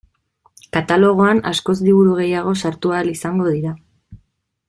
Katalogoan askoz liburu gehiago sartu ahal izango dira.